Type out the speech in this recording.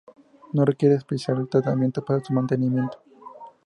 No requiere especial tratamiento para su mantenimiento.